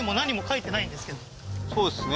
そうですね